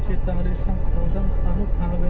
พี่หลังคุณอ่ะ